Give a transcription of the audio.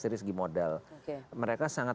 dari segi modal mereka sangat